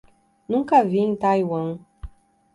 Nunca vi em Taiwan